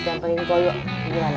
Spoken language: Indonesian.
sekarang udah bisa cerita kali ya